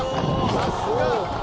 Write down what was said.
さすが！